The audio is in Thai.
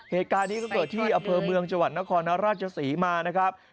เหตุการณ์นี้ก็เกิดที่อำเภอเมืองจังหวัดนครราชศรีมานะครับ